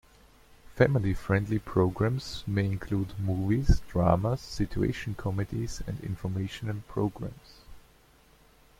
Family friendly programs may include movies, dramas, situation comedies and informational programs.